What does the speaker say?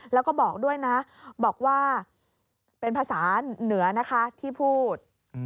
แล้วก็บอกด้วยนะบอกว่าเป็นภาษาเหนือนะคะที่พูด